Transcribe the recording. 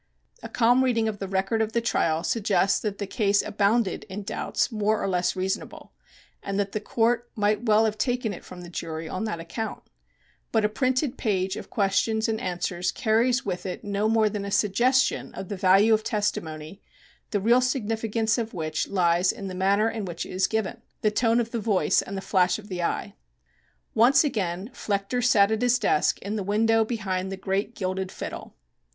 A calm reading of the record of the trial suggests that the case abounded in doubts more or less reasonable, and that the Court might well have taken it from the jury on that account. But a printed page of questions and answers carries with it no more than a suggestion of the value of testimony the real significance of which lies in the manner in which it is given, the tone of the voice and the flash of the eye. Once again Flechter sat at his desk in the window behind the great gilded fiddle.